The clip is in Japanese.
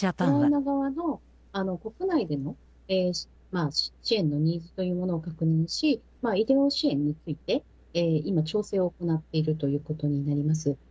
ウクライナ側の国内での支援のニーズというものを確認し、医療支援について、今、調整を行っているということになります。